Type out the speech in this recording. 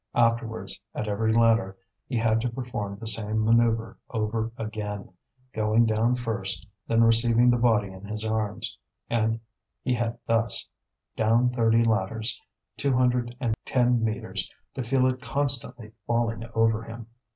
Afterwards, at every ladder, he had to perform the same manoeuvre over again, going down first, then receiving the body in his arms; and he had thus, down thirty ladders, two hundred and ten metres, to feel it constantly falling over him.